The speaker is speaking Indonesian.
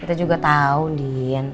kita juga tau andin